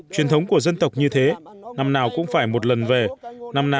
truyền thống của dân tộc như thế năm nào cũng phải một lần về năm nào cũng hai mươi chín về